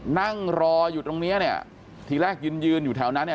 นั่งรออยู่ตรงเนี้ยเนี่ยทีแรกยืนยืนอยู่แถวนั้นเนี่ย